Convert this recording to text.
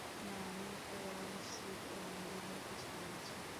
না, আমি এক্কেবারে নিশ্চিত, ও মুড়ি নিয়ে কিছু বলেছে।